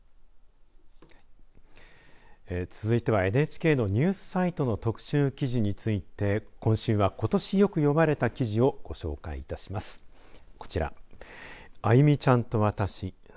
続いてはＮＨＫのニュースサイトの特集記事について今週はことしよく読まれた記事をご紹介いたします。